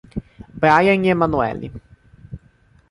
Bryan e Emanuelly